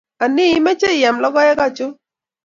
Anii, imeche iyam lokoek anchon?